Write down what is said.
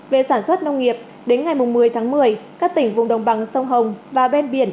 về sản xuất nông nghiệp đến ngày một mươi tháng một mươi các tỉnh vùng đồng bằng sông hồng và ven biển